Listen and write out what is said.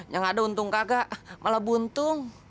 yang ada untung kakak malah buntung